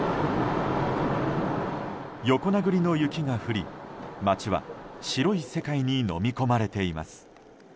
横殴りの雪が降り町は白い世界にのみ込まれています。